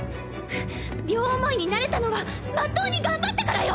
両思いになれたのはまっとうに頑張ったからよ！